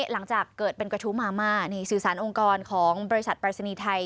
หลังจากเกิดเป็นกระทู้มาม่านี่สื่อสารองค์กรของบริษัทปรายศนีย์ไทย